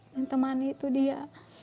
yang temani itu dia